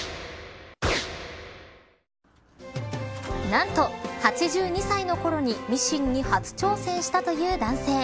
何と８２歳のころにミシンに初挑戦したという男性。